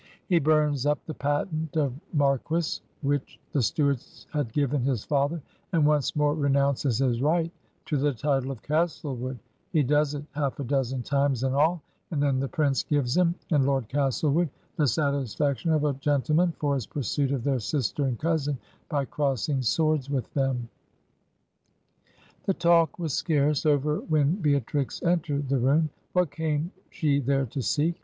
He bums up the patent of Marquis which the Stuarts had given his father, and once more re noimces his right to the title of Castlewood — he does it half a dozen times in all — ^and then the prince gives him and Lord Castlewood the satisfaction of a gentle man for his pursuit of their sister and cousin, by crossing swords with them. "The talk was scarce over when Beatrix entered the room. What came she there to seek?